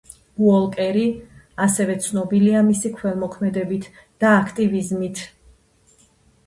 უოლკერი, ასევე ცნობილია მისი ქველმოქმედებით და აქტივიზმით.